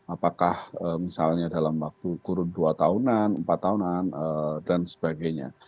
apakah misalnya dalam waktu kurun dua tahunan empat tahunan dan sebagainya